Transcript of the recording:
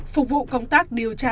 phục vụ công tác điều tra